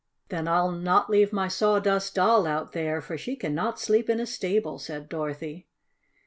"Then I'll not leave my Sawdust Doll out there, for she cannot sleep in a stable," said Dorothy.